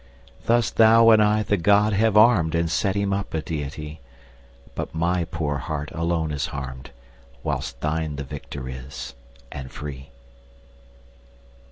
Thus thou and I the god have arm'd And set him up a deity; But my poor heart alone is harm'd, 15 Whilst thine the victor is, and free!